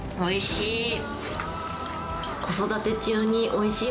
おいしい。